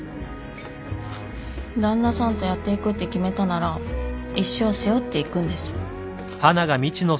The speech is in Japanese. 旦那さんとやっていくって決めたなら一生背負っていくんです。